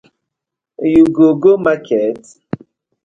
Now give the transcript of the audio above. You go go market?